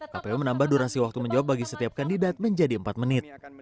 kpu menambah durasi waktu menjawab bagi setiap kandidat menjadi empat menit